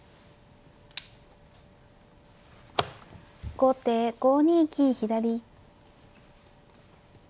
後手５二金左。